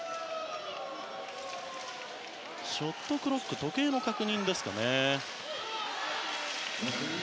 ショットクロック時計の確認ですかね。